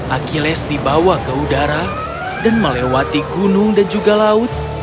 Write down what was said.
achilles dibawa ke udara dan melewati gunung dan juga laut